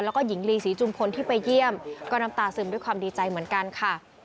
แล้วก็หญิงลีศรีจุมพลที่ไปเยี่ยมก็น้ำตาซึมด้วยความดีใจเหมือนกันค่ะ